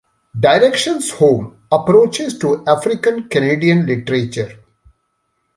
"Directions Home: Approaches to African-Canadian Literature".